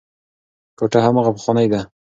کوټه هماغه پخوانۍ ده.